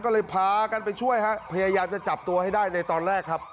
ก็เลยพากันไปช่วยฮะพยายามจะจับตัวให้ได้ในตอนแรกครับ